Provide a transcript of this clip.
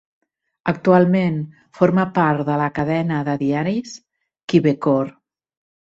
Actualment forma part de la cadena de diaris Quebecor.